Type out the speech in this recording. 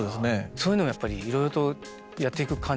そういうのをやっぱりいろいろとやっていく感じですか？